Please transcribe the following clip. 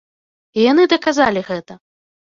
І яны даказалі гэта.